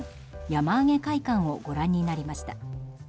山あげ会館をご覧になりました。